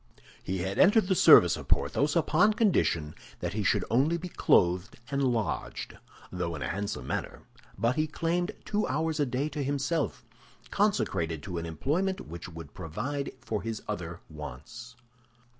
He had entered the service of Porthos upon condition that he should only be clothed and lodged, though in a handsome manner; but he claimed two hours a day to himself, consecrated to an employment which would provide for his other wants.